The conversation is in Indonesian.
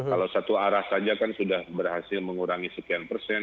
kalau satu arah saja kan sudah berhasil mengurangi sekian persen